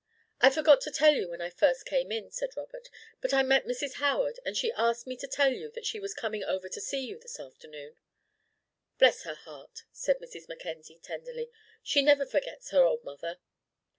"I forgot to tell you when I first came in," said Robert, "but I met Mrs. Howard and she asked me to tell you that she was coming over to see you this afternoon." "Bless her heart," said Mrs. Mackenzie, tenderly, "she never forgets her old mother."